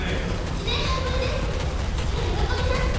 １年半ぶりですもの父が喜びます。